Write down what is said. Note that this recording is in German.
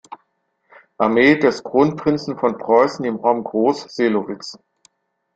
Armee des Kronprinzen von Preußen im Raum Groß-Seelowitz.